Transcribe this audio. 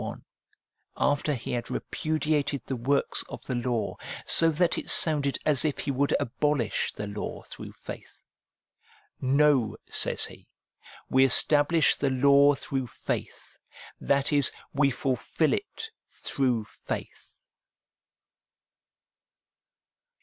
31, after he had repudiated the works of the law, so that it sounded as if he would abolish the law through faith. No, says he, ' we establish the law through faith,' that is, we fulfil it through faith.